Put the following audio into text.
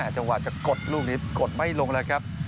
จังหวะจะกดลูกนี้กดไม่ลงเลยครับ